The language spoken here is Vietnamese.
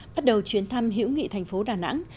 bắt đầu chuyến thăm hiểu nghị thành phố đà nẵng